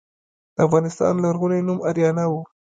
د افغانستان لرغونی نوم اریانا و